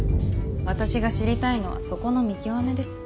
私が知りたいのはそこの見極めです。